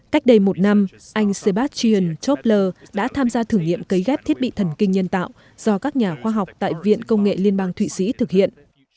cách đây một năm anh sebastian topler đã tham gia thử nghiệm cấy ghép thiết bị thần kinh nhân tạo do các nhà khoa học tại viện công nghệ liên bang thụy sĩ thực hiện